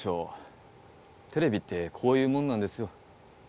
テレビってこういうもんなんですよ。